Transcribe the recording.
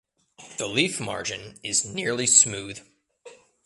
The leaf margin is nearly smooth.